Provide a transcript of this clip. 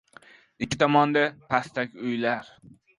Ikki tomonda pastak uylar.